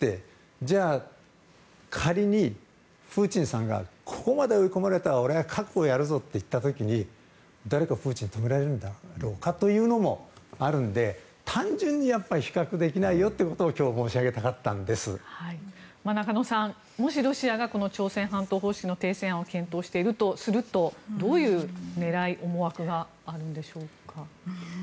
じゃあ、仮にプーチンさんがここまで追い込まれたら俺は核をやるぞと言った時に誰がプーチンを止められるんだろうかというのもあるので単純に比較できないよということを中野さん、もしロシアが朝鮮半島方式の停戦案を検討しているとするとどういう狙い、思惑があるんでしょうか。